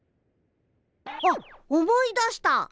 あっ思い出した。